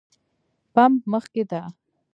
پمپ مخکې ده